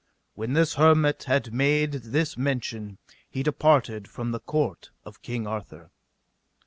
When this hermit had made this mention he departed from the court of King Arthur.